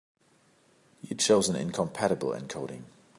You chose an incompatible encoding.